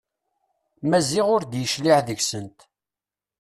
Maziɣ ur d-yecliɛ deg-sent.